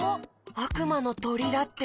「あくまのとり」だって。